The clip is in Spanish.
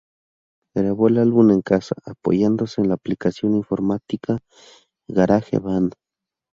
Grabó el álbum en casa, apoyándose en la aplicación informática GarageBand.